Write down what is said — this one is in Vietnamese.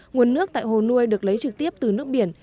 nguồn nước tại hồ nuôi được lấy trực tiếp từ nước biển